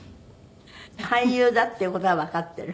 俳優だっていう事はわかってる？